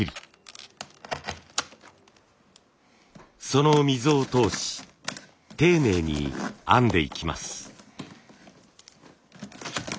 その溝を通し丁寧に編んでいきます。